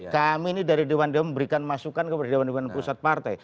kami ini dari dewan dewan memberikan masukan kepada dewan dewan pusat partai